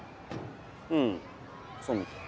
うんそうみたい。